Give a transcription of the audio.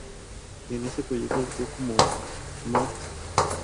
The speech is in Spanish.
En este proyecto actuó junto a Matt Craven, Shia LaBeouf y Carrie-Anne Moss.